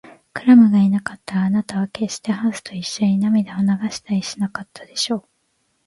クラムがいなかったら、あなたはけっしてハンスといっしょに涙を流したりしなかったでしょう。